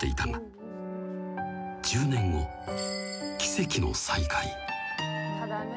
［１０年後奇跡の再会］